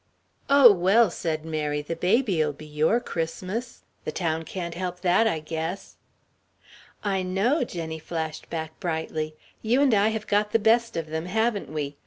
"Oh, well," said Mary, "the baby'll be your Christmas. The town can't help that, I guess." "I know," Jenny flashed back brightly, "you and I have got the best of them, haven't we?